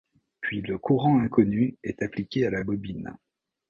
Puis le courant inconnu est appliqué à la bobine.